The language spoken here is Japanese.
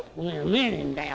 見えねえんだよ。